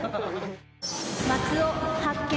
松尾発見。